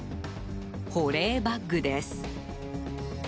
保冷バッグです。